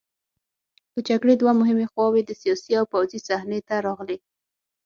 د جګړې دوه مهمې خواوې د سیاسي او پوځي صحنې ته راغلې.